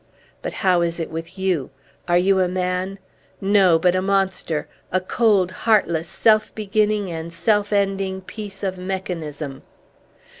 But how is it with you? Are you a man? No; but a monster! A cold, heartless, self beginning and self ending piece of mechanism!"